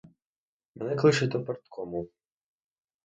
Мене кличуть до парткому.